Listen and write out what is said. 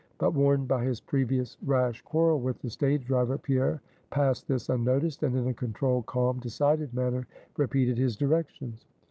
But warned by his previous rash quarrel with the stage driver, Pierre passed this unnoticed, and in a controlled, calm, decided manner repeated his directions.